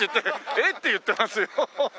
「えっ？」って言ってますよ。